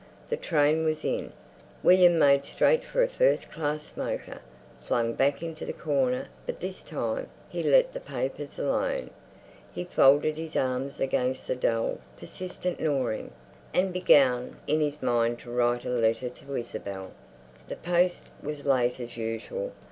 The train was in. William made straight for a first class smoker, flung back into the corner, but this time he let the papers alone. He folded his arms against the dull, persistent gnawing, and began in his mind to write a letter to Isabel. The post was late as usual.